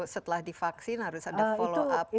setelah divaksin harus ada follow up